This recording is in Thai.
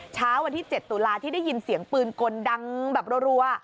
เช้าวันที่๗ตุลาที่ได้ยินเสียงปืนกลดังแบบรัว